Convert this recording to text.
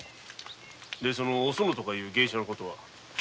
で「おその」とかいう芸者の事は？